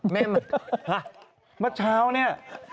เม่มันมาเช้านี่